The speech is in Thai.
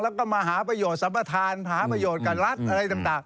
แล้วก็มาหาประโยชน์สัมปทานหาประโยชน์กับรัฐอะไรต่าง